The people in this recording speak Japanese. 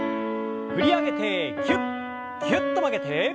振り上げてぎゅっぎゅっと曲げて。